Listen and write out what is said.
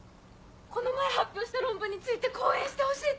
この前発表した論文について講演してほしいって。